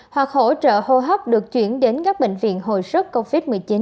hoặc hỗ trợ hô hấp được chuyển đến các bệnh viện hồi sức covid một mươi chín